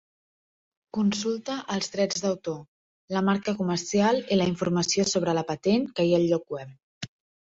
Consulta els drets d'autor, la marca comercial i la informació sobre la patent que hi ha al lloc web.